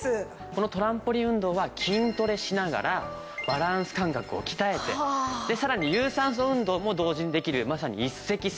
このトランポリン運動は筋トレしながらバランス感覚を鍛えてさらに有酸素運動も同時にできるまさに一石三鳥のとってもいいトレーニングなんですね。